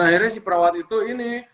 dan akhirnya si perawat itu ini